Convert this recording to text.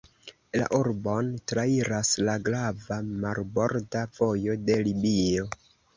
La urbon trairas la grava marborda vojo de Libio.